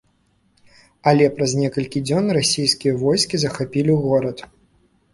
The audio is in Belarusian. Але праз некалькі дзён расійскія войскі захапілі горад.